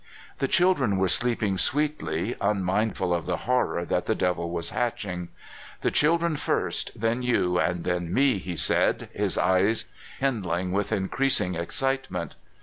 The children were sleeping sweetly, unmindful of the horror that the devil was hatching. The children first, then you, and then me," he said, his eye kindHng with increasing excitement.